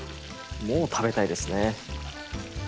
もう食べたいですね。